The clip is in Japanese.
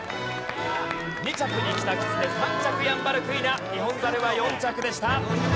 ２着にキタキツネ３着ヤンバルクイナニホンザルは４着でした。